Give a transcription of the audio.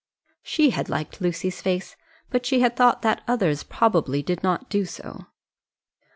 She had liked Lucy's face, but she had thought that others probably did not do so.